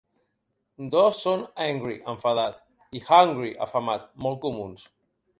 Dos són "angry" —enfadat— i "hungry" —afamat—, molt comuns.